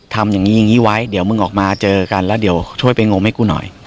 ทำอย่างนี้อย่างนี้ไว้เดี๋ยวมึงออกมาเจอกันแล้วเดี๋ยวช่วยไปงมให้กูหน่อย